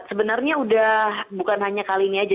sebenarnya udah bukan hanya kali ini aja